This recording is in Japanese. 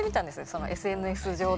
そのＳＮＳ上で。